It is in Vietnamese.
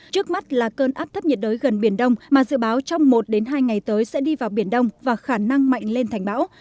trước mắt là cơn áp thấp nhiệt đới gần biển đông mà dự báo trong một hai ngày tới sẽ đi vào biển đông và khả năng mạnh lên thành bão